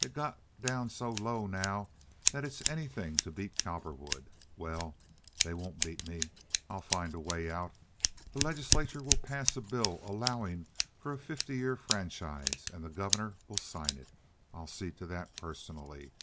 It's got down so low now that it's anything to beat Cowperwood. Well, they won't beat me. I'll find a way out. The legislature will pass a bill allowing for a fifty year franchise, and the governor will sign it. I'll see to that personally.